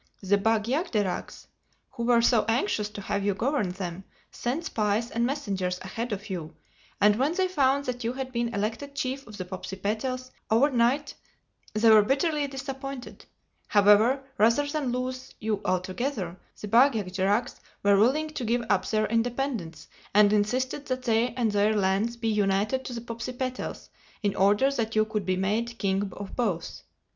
The Bag jagderags, who were so anxious to have you govern them, sent spies and messengers ahead of you; and when they found that you had been elected Chief of the Popsipetels overnight they were bitterly disappointed. However, rather than lose you altogether, the Bag jagderags were willing to give up their independence, and insisted that they and their lands be united to the Popsipetels in order that you could be made king of both.